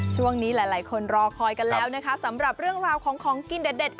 ช่วงนี้หลายคนรอคอยกันแล้วนะคะสำหรับเรื่องราวของของกินเด็ด